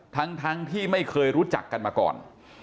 ทั้งที่ไม่เคยรู้จักกันมาก่อน